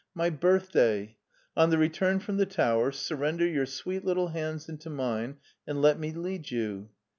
" My birthday ! On the return from the tower, surrender your sweet little hands into mine and let me lead you.